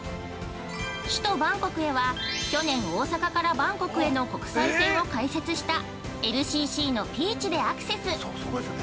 首都バンコクへは去年大阪からバンコクへの国際線を開設したＬＣＣのピーチでアクセス。